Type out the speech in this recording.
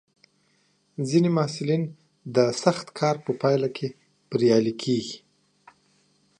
ځینې محصلین د سخت کار په پایله کې بریالي کېږي.